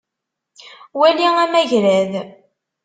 Wali amagrad.